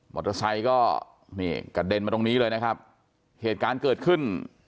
เตอร์ไซค์ก็นี่กระเด็นมาตรงนี้เลยนะครับเหตุการณ์เกิดขึ้น